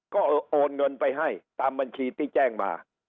ก็โอนเงินไปให้ตามบัญชีที่แจ้งมา